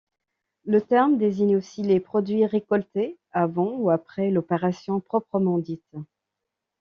Le terme désigne aussi les produits récoltés, avant ou après l'opération proprement dite.